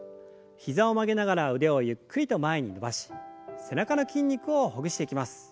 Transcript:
膝を曲げながら腕をゆっくりと前に伸ばし背中の筋肉をほぐしていきます。